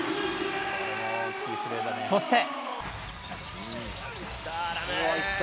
そして。